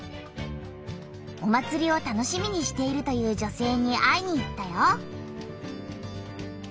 お祭りを楽しみにしているという女性に会いに行ったよ。